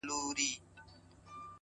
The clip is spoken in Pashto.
بيا کرار “کرار د بت و خواته گوري”